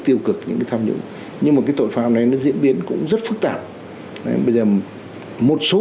tiêu cực những cái tham nhũng nhưng mà cái tội phạm này nó diễn biến cũng rất phức tạp bây giờ một số